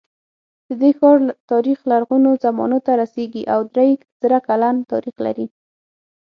د دې ښار تاریخ لرغونو زمانو ته رسېږي او درې زره کلن تاریخ لري.